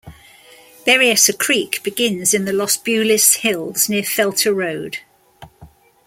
Berryessa Creek begins in the Los Buellis Hills near Felter Road.